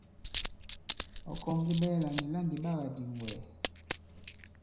Ɔ̌ kɔ̀ŋge ɓɛɛlà nì la ndì ɓa kà-dìŋ wɛ̀?